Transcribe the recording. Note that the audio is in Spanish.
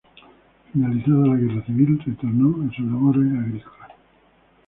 Finalizada la guerra civil, retornó a sus labores agrícolas.